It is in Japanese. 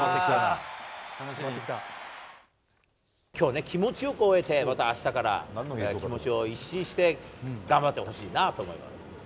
きょうね、気持ちよく終えて、またあしたから気持ちを一新して頑張ってほしいなと思います。